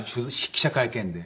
記者会見で。